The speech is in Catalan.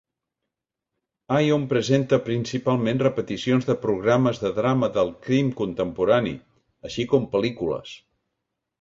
Ion presenta principalment repeticions de programes de drama del crim contemporani, així com pel·lícules.